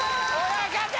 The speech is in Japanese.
親方！